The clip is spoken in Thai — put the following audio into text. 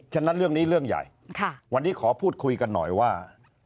ฉะนั้นเรื่องนี้เรื่องใหญ่วันนี้ขอพูดคุยกันหน่อยว่า